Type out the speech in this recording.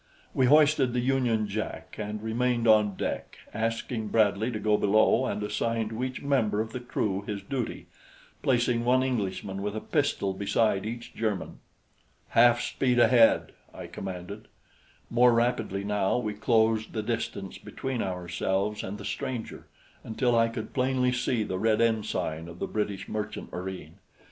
We hoisted the Union Jack and remained on deck, asking Bradley to go below and assign to each member of the crew his duty, placing one Englishman with a pistol beside each German. "Half speed ahead," I commanded. More rapidly now we closed the distance between ourselves and the stranger, until I could plainly see the red ensign of the British merchant marine.